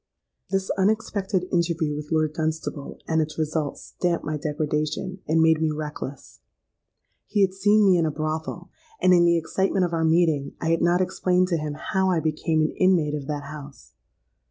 "This unexpected interview with Lord Dunstable and its result stamped my degradation, and made me reckless. He had seen me in a brothel; and in the excitement of our meeting, I had not explained to him how I became an inmate of that house.